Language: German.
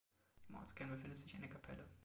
Im Ortskern befindet sich eine Kapelle.